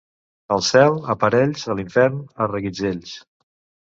Al cel, a parells; a l'infern, a reguitzells.